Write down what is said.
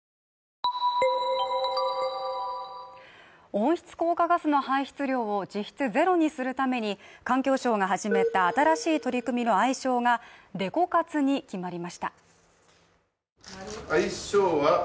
温室効果ガスの排出量を実質ゼロにするために環境省が始めた新しい取り組みの愛称がデコ活に決まりました。